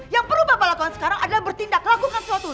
yang perlu bapak lakukan sekarang adalah bertindak lakukan sesuatu